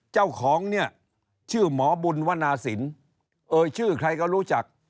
เจ้าของเนี่ยชื่อหมอบุญวนาศิลป์เอ่ยชื่อใครก็รู้จัก